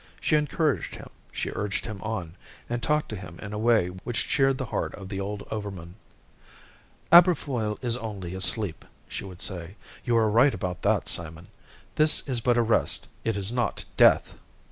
She encouraged him, she urged him on, and talked to him in a way which cheered the heart of the old overman. "Aberfoyle is only asleep," she would say. "You are right about that, Simon. This is but a rest, it is not death!"